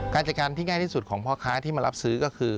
การจัดการที่ง่ายที่สุดของพ่อค้าที่มารับซื้อก็คือ